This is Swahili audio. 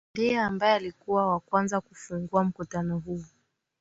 ndiye ambaye alikuwa wa kwanza kufungua mkutano huo